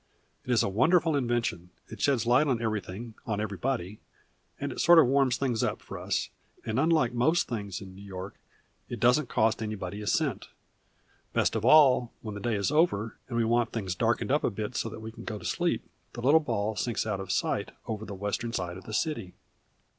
It is a wonderful invention. It sheds light on everything, on everybody, and sort of warms things up for us, and unlike most things in New York it doesn't cost anybody a cent. Best of all, when the day is over, and we want things darkened up a bit so that we can go to sleep, the little ball sinks out of sight over on the western side of the city."